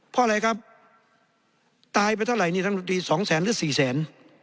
เพราะอะไรครับตายไปเท่าไหร่นี่ทั้งประตูดี๒แสนหรือ๔แสน